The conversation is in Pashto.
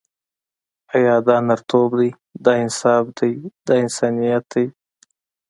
آیا دا نرتوب دی، دا انصاف دی، دا انسانیت دی.